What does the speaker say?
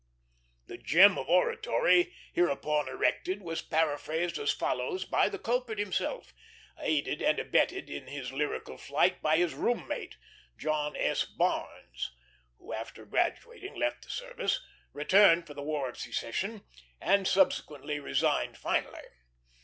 The gem of oratory hereupon erected was paraphrased as follows by the culprit himself, aided and abetted in his lyrical flight by his room mate, John S. Barnes, who, after graduating left the service, returned for the War of Secession, and subsequently resigned finally.